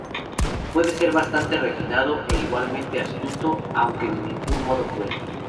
Puede ser bastante refinado e igualmente astuto, aunque de ningún modo cruel.